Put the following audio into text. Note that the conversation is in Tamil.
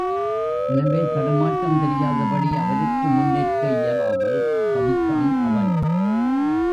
எனவே தடுமாற்றம் தெரியாதபடி அவருக்கு முன் நிற்க இயலாமல் தவித்தான் அவன்.